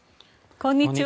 こんにちは。